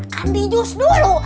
kan di jus dulu